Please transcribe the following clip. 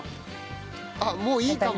あっもういいかも。